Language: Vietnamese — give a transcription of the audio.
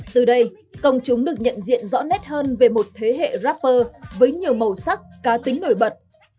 từ đây công chúng được nhận diện rõ nét hơn về một thế hệ rapper với nhiều màu sắc cá tính nổi bật